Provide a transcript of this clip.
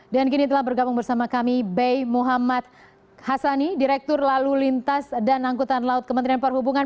dan kini telah bergabung bersama kami bay muhammad hassani direktur lalu lintas dan angkutan laut kementerian perhubungan